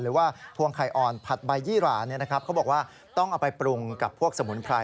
หรือว่าพวงไข่อ่อนผัดใบยี่หราเนี่ยนะครับเขาบอกว่าต้องเอาไปปรุงกับพวกสมุนไคร